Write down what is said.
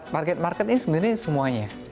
market market ini sebenarnya semuanya